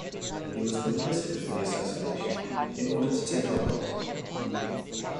He was complicit with the assassination, in order to take office.